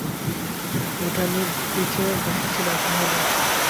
উটনীর পিঠে বসা ছিল এক মহিলা।